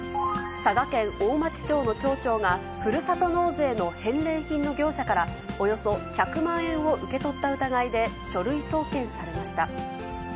佐賀県大町町の町長が、ふるさと納税の返礼品の業者から、およそ１００万円を受け取った疑いで、書類送検されました。